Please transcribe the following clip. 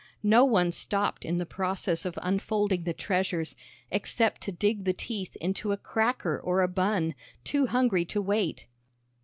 No one stopped in the process of unfolding the treasures, except to dig the teeth into a cracker or a bun, too hungry to wait.